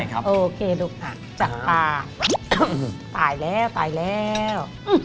ใช่ครับเจโอเคลูกมาจากตาตายแล้วตายแล้ว